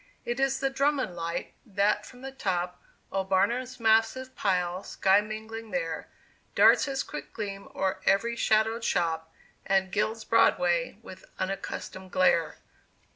It is the Drummond Light, that from the top Of Barnum's massive pile, sky mingling there, Darts its quick gleam o'er every shadowed shop, And gilds Broadway with unaccustomed glare.